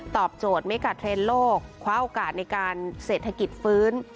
โจทย์เมกาเทรนด์โลกคว้าโอกาสในการเศรษฐกิจฟื้น